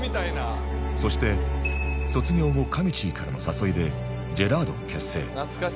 そして卒業後かみちぃからの誘いでジェラードン結成